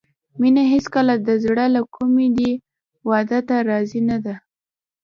مينه هېڅکله د زړه له کومې دې واده ته راضي نه ده